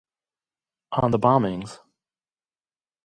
"On the bombings:"